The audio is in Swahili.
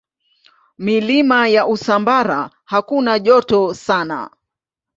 Milima ya Usambara hakuna joto sana.